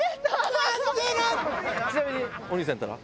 ちなみにお兄さんやったら？